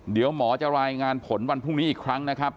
เดี๋ยวหมอจะรายงานผลวันพรุ่งนี้อีกครั้งนะครับ